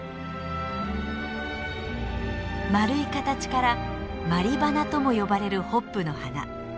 丸い形から「鞠花」とも呼ばれるホップの花。